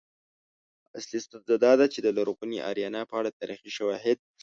اصلی ستونزه دا ده چې د لرغونې آریانا په اړه تاریخي شواهد